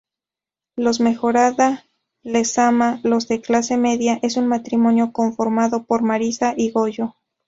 Los Mejorada Lezama:Los de clase media; Es un matrimonio conformado por Marisa y Goyo.